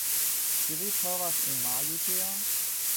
Ĉu vi povas imagi tion?